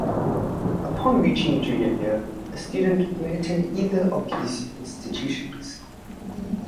Upon reaching junior year, a student may attend either of these institutions.